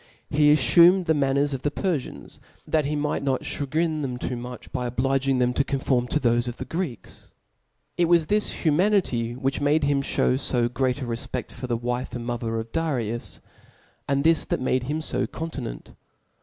He aflumed der. the manners of the Perfians, that he might not cha grine them too much by obliging them to conform to thofe of the Greeks. It was this humanity whkrh made him /hew fo great a refpedk for the wife and iriother of Darius; and this that made him (o continent.